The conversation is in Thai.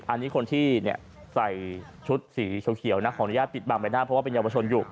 อันนี้คนที่ใส่ชุดสีเขียวนะขออนุญาตปิดบางใบหน้าเพราะว่าเป็นเยาวชนอยู่